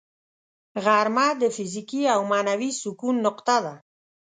غرمه د فزیکي او معنوي سکون نقطه ده